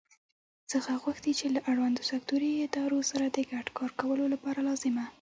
څخه غوښتي چې له اړوندو سکټوري ادارو سره د ګډ کار کولو لپاره لازمه